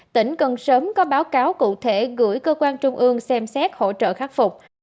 tỉnh cần sớm có báo cáo cụ thể gửi cơ quan trung ương xem xét hỗ trợ khắc phục